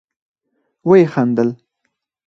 ويې خندل.